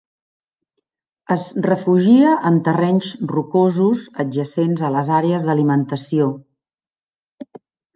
Es refugia en terrenys rocosos adjacents a les àrees d'alimentació.